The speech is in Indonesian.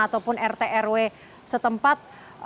ataupun rt rw setempat